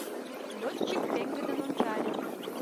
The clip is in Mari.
Лётчик пеҥгыдын ончале.